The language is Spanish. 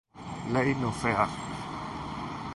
Ley No Fear